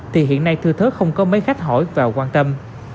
thì hiện nay thư thớt không có mấy khách hỏi và quan tâm